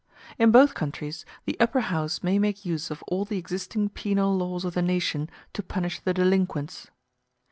]] In both countries the Upper House may make use of all the existing penal laws of the nation to punish the delinquents.